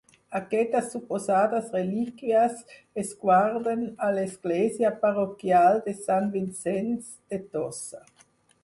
Aquestes suposades relíquies es guarden a l'església parroquial de Sant Vicenç de Tossa.